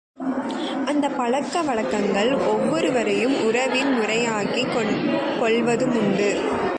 அந்தப் பழக்க வழக்கங்கள் ஒவ்வொருவரையும் உறவின் முறையாக்கிக் கொள்வதுமுண்டு.